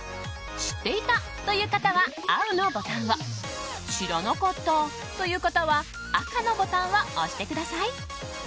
知っていたという方は青のボタンを知らなかったという方は赤のボタンを押してください。